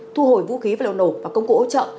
thu hồi vũ khí và liều nổ và công cụ ỗ trợ